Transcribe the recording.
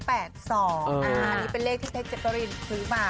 อันนี้เป็นเลขที่พี่แซกกะลีนถือมา